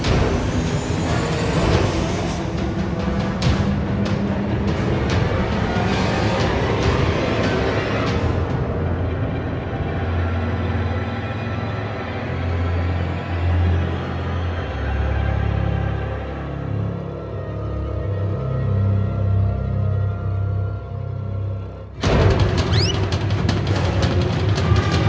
โอเค